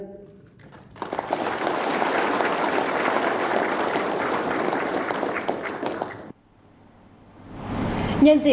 nhân dị bộ chính trị